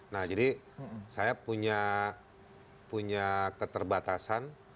nah jadi saya punya keterbatasan